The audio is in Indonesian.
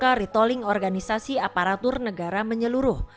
dalam rangka retolling organisasi aparatur negara menyeluruh